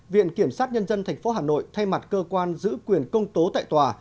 viện kiểm sát nhân dân tp hà nội thay mặt cơ quan giữ quyền công tố tại tòa